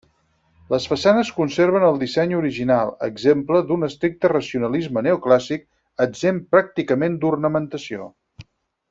Les façanes conserven el disseny original, exemple d'un estricte racionalisme neoclàssic exempt pràcticament d'ornamentació.